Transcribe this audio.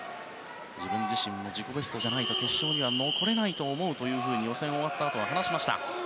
自分自身の自己ベストじゃないと決勝には残れないと思うというふうに予選が終わったあと話しました。